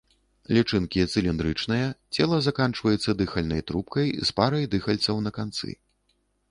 Лічынкі цыліндрычныя, цела заканчваецца дыхальнай трубкай з парай дыхальцаў на канцы.